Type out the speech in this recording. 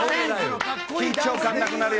緊張感なくなるよ。